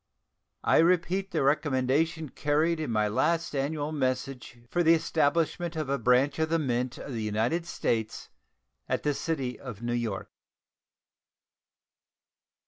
I repeat the recommendation contained in my last annual message for the establishment of a branch of the Mint of the United States at the city of New York.